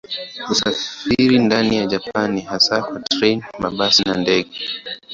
Usafiri ndani ya Japani ni hasa kwa treni, mabasi na ndege.